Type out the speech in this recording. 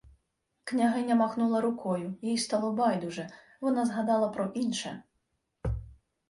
Княгиня махнула рукою, їй стало байдуже. Вона згадала про інше: